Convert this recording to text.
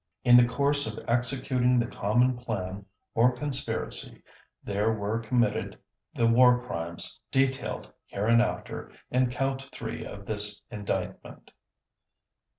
In the course of executing the common plan or conspiracy there were committed the War Crimes detailed hereinafter in Count Three of this Indictment.